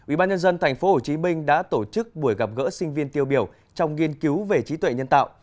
ubnd tp hcm đã tổ chức buổi gặp gỡ sinh viên tiêu biểu trong nghiên cứu về trí tuệ nhân tạo